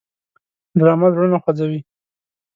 ډرامه زړونه خوځوي